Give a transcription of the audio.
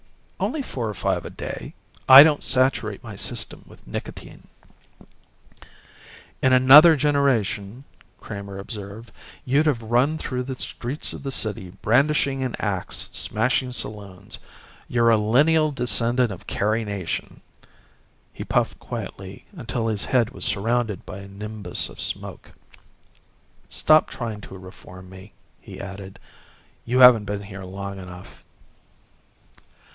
"Only four or five a day. I don't saturate my system with nicotine." "In another generation," Kramer observed, "you'd have run through the streets of the city brandishing an ax smashing saloons. You're a lineal descendent of Carrie Nation." He puffed quietly until his head was surrounded by a nimbus of smoke. "Stop trying to reform me," he added. "You haven't been here long enough."